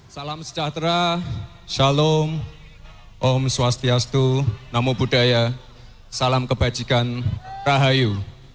salam sejahtera shalom om swastiastu namo buddhaya salam kebajikan rahayu